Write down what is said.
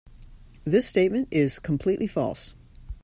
This statement is completely false.